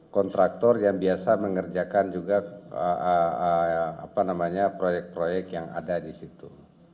kontraktor yang biasa mengerjakan juga proyek proyek yang ada di situ